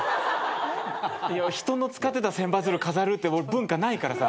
人の使ってた千羽鶴飾るって文化ないからさ。